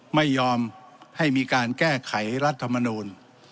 ไม่ยอมให้มีการแก้ไขรัฐมนูล